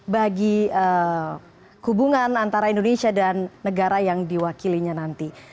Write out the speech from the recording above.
bagi hubungan antara indonesia dan negara yang diwakilinya nanti